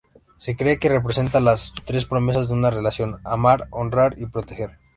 Se cree que representa las tres promesas de una relación: amar, honrar y proteger.